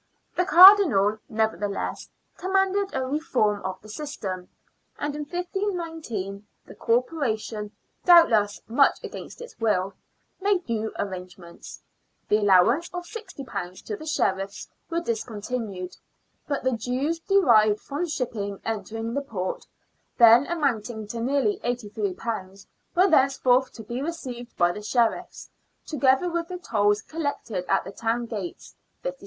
The Cardinal, never theless, commanded a reform of the system ; and in 1519 the Corporation, doubtless much against its will, made new arrangements. The allowance of £60 to the Sheriffs was discontinued ; but the dues derived from shipping entering the port, then amounting to nearly £83, were thenceforth to be received by the Sheriffs, together with the tolls collected at the town gates, £sy.